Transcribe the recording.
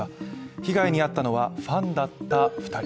被害に遭ったのはファンだった２人。